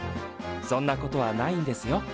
そんなことはないんですよ。